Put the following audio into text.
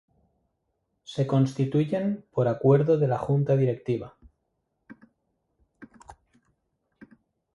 Se constituyen por acuerdo de la Junta Directiva.